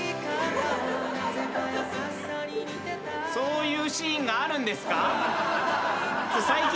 そういうシーンがあるんですか？